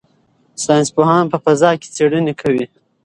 ساینس پوهان په فضا کې څېړنې کوي.